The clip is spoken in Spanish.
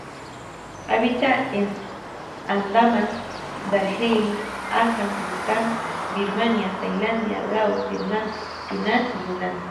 Habita en Andaman, Darjeeling, Assam, Bután, Birmania, Tailandia, Laos, Vietnam, Yunnan y Hunan.